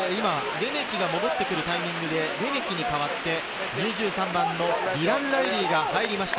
レメキが戻ってくるタイミングで、レメキに代わって２３番のディラン・ライリーが入りました。